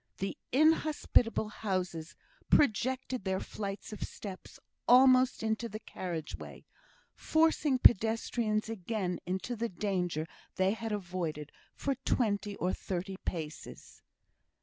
The inhospitable houses projected their flights of steps almost into the carriage way, forcing pedestrians again into the danger they had avoided for twenty or thirty paces.